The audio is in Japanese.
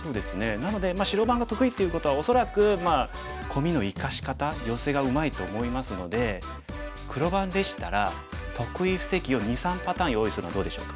なので白番が得意っていうことは恐らくコミの生かし方ヨセがうまいと思いますので黒番でしたら得意布石を２３パターン用意するのはどうでしょうか。